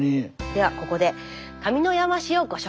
ではここで上山市をご紹介！